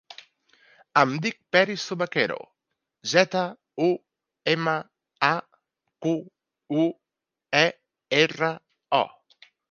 Em dic Peris Zumaquero: zeta, u, ema, a, cu, u, e, erra, o.